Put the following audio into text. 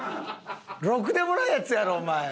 ろくでもないヤツやろお前！